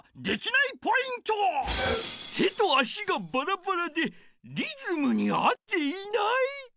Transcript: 手と足がバラバラでリズムに合っていない。